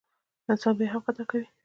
انسان بیا هم خطا کوي.